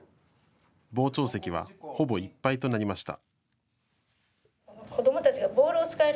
傍聴席はほぼいっぱいとなりました。